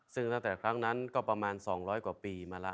ซึ่งตั้งแต่ครั้งนั้นก็ประมาณ๒๐๐กว่าปีมาแล้ว